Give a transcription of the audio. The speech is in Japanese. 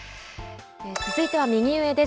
続いては右上です。